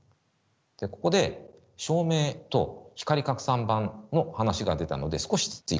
ここで照明と光拡散板の話が出たので少し追加します。